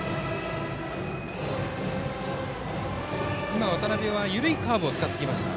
今、渡邉は緩いカーブを使ってきました。